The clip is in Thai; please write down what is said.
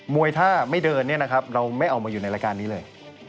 วยถ้าไม่เดินเนี่ยนะครับเราไม่เอามาอยู่ในรายการนี้เลย